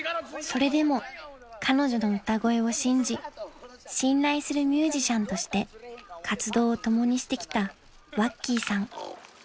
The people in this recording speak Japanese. ［それでも彼女の歌声を信じ信頼するミュージシャンとして活動を共にしてきたわっきさん］